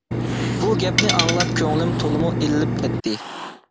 بۇ گەپنى ئاڭلاپ كۆڭلۈم تولىمۇ ئىللىپ كەتتى.